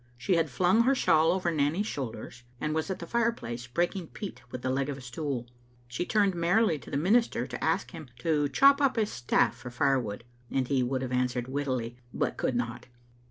She had flung her shawl over Nanny's shoulders, and was at the fireplace breaking peats with the leg of a stool. She turned merrily to the minister to ask him to chop up his staflE for firewood, and he would have answered wittily but could not.